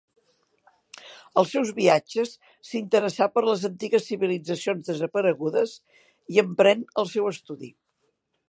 Als seus viatges s'interessà per les antigues civilitzacions desaparegudes i emprèn el seu estudi.